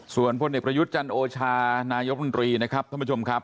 ส่วนพลเอกประยุทธ์จันโอชานายกรมนตรีนะครับท่านผู้ชมครับ